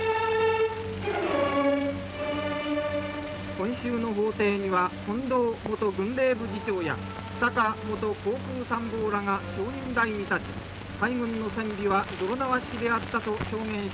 「今週の法廷には近藤元軍令部次長や草鹿元航空参謀らが証言台に立ち海軍の戦備は泥縄式であったと証言しました」。